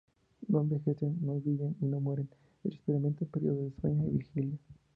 No envejecen, no viven y no mueren, experimentan periodos de Sueño y Vigilia.